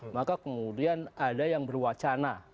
maka kemudian ada yang berwacana